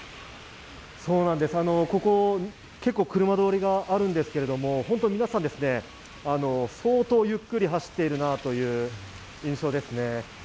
ここ、結構車通りがあるんですけれども、本当に皆さん、相当ゆっくり走っているなという印象ですね。